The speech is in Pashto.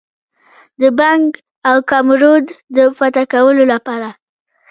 د بنګ او کامرود د فتح کولو لپاره.